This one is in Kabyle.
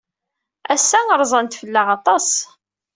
Ass-a, rzan-d fell-aɣ aṭas.